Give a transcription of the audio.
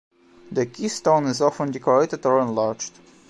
The keystone is often decorated or enlarged.